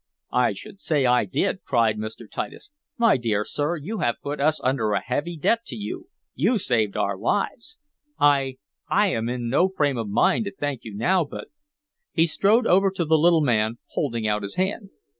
"I should say I did!" cried Mr. Titus. "My dear sir, you have put us under a heavy debt to you! You saved our lives! I I am in no frame of mind to thank you now, but " He strode over to the little man, holding out his hand.